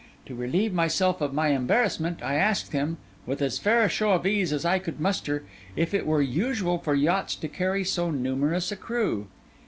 To relieve myself of my embarrassment, I asked him, with as fair a show of ease as I could muster, if it were usual for yachts to carry so numerous a crew?